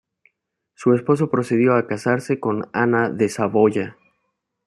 Su esposo procedió a casarse con Ana de Saboya.